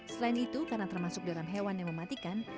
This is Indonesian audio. selain itu karena termasuk dalam hewan yang mematikan